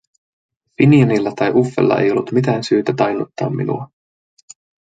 Finianilla tai Uffella ei ollut mitään syytä tainnuttaa minua.